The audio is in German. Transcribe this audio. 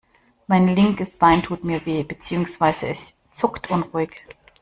Mein linkes Bein tut mir weh, beziehungsweise es zuckt unruhig.